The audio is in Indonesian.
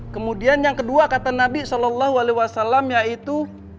kemudian yang kedua kata nabi saw yaitu